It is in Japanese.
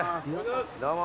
どうも。